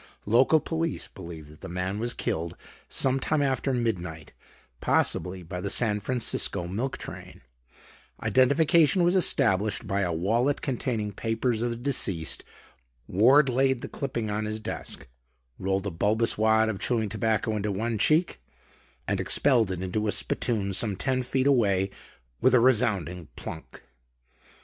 Local police believe that the man was killed some time after midnight, possibly by the San Francisco milk train. Identification was established by a wallet containing papers of the deceased. Ward laid the clipping on his desk, rolled a bulbous wad of chewing tobacco into one cheek and expelled it into a spitoon some ten feet away with a resounding plunk.